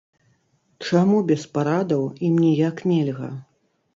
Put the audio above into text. Чаму без парадаў ім ніяк нельга?